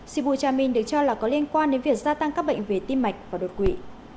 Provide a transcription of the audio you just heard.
sibu chamin được cho là có liên quan đến việc gia tăng các bệnh về tim mạch và đột quỵ